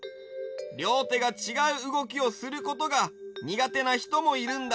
りょうてがちがううごきをすることがにがてなひともいるんだ。